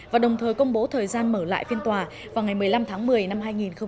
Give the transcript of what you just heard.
và đồng thời công bố thời gian mở lại phiên tòa vào ngày một mươi năm tháng một mươi năm hai nghìn một mươi chín